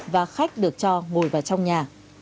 và khách được cho ngồi vào trong nhà